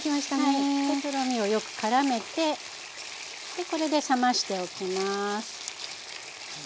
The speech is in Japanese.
はいとろみをよくからめてこれで冷ましておきます。